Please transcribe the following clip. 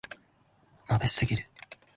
まぶしすぎる